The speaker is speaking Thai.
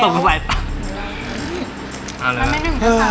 ใครรู้